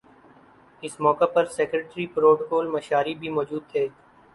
اس موقع پر secretary protocol مشاری بھی موجود تھے